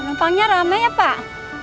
tempangnya rame ya pak